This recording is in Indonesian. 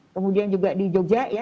kemudian juga di jogja ya